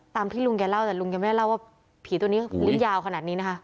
ที่ลุงแกเล่าแต่ลุงแกไม่ได้เล่าว่าผีตัวนี้ลิ้นยาวขนาดนี้นะคะ